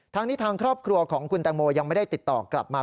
ทางนี้ทางครอบครัวของคุณแตงโมยังไม่ได้ติดต่อกลับมา